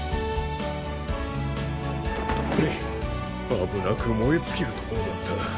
あぶなくもえつきるところだった。